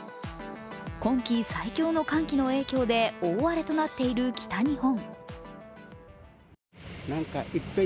今季最強の寒気の影響で大荒れとなっている北日本。